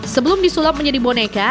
sebelum disulap menjadi boneka